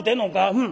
「うん。